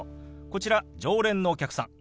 こちら常連のお客さん。